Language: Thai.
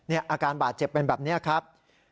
อาการบาดเจ็บเป็นแบบนี้ครับ